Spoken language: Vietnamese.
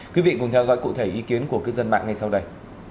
quý vị cùng theo dõi cụ thể ý kiến của cư dân mạng ngay sau đây